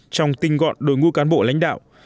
trong tinh gọn đối ngũ cán bộ lãnh đạo